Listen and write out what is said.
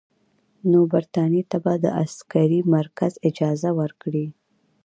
نو برټانیې ته به د عسکري مرکز اجازه ورکړي.